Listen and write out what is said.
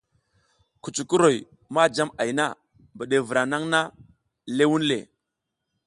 Kucukuroy ma jam ay na, mbiɗevra naƞʼha ləh wunle.